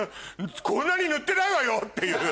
「こんなに塗ってないわよ！」っていう。